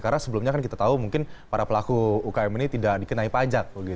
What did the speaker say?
karena sebelumnya kan kita tahu mungkin para pelaku ukm ini tidak dikenai pajak